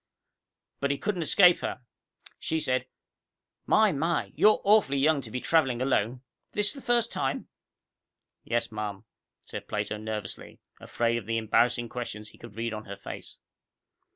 But he couldn't escape her. She said, "My, my, you're awfully young to be traveling alone. This the first time?" "Yes, ma'am," said Plato nervously, afraid of the embarrassing questions he could read on her face.